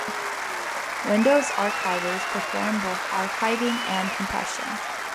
Windows archivers perform both archiving and compression.